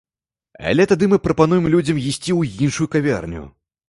Але тады мы прапануем людзям ісці ў іншую кавярню!